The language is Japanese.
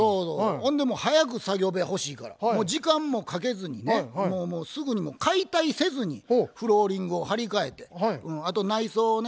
ほんでもう早く作業部屋欲しいから時間もかけずにねもうすぐに解体せずにフローリングを張り替えて内装をね